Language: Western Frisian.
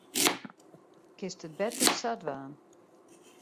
Kinst it better sa dwaan.